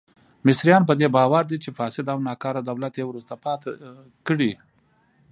مصریان په دې باور دي چې فاسد او ناکاره دولت یې وروسته پاتې کړي.